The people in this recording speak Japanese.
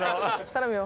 頼むよ！